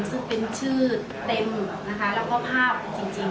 ซึ่งเป็นชื่อเต็มนะคะแล้วก็ภาพจริง